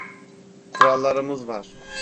Kurallarımız var.